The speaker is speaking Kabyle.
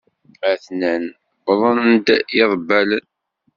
Atnan wwḍen-d yiḍebbalen.